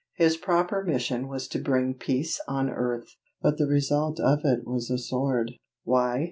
His proper mission was to bring peace on earth; but the result of it was a sword! Why?